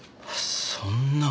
そんな。